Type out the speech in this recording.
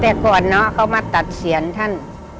แต่ก่อนเขามาตัดเซียนท่าน